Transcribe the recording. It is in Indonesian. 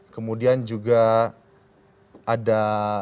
kemudian juga ada